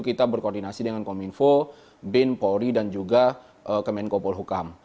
kita berkoordinasi dengan kominfo bin polri dan juga kemenkopol hukam